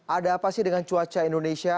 ada apa sih dengan cuaca indonesia